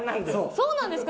そうなんですか！？